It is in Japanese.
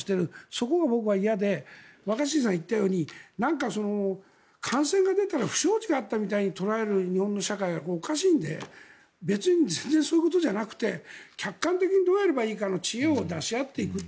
そこが僕は嫌で若新さんが言ったように何か、感染が出たら不祥事があったみたいに捉える日本の社会がおかしいので別に全然そういうことじゃなくて客観的にどうやればいいかの知恵を出し合っていく。